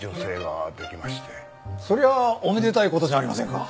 そりゃあおめでたい事じゃありませんか。